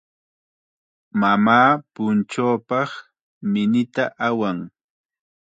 Mamaa punchuupaq minita awan.